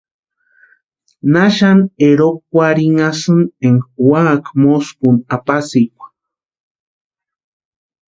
¿Naxani erhokwarhinhasïni énka úaka moskuni apasikwa?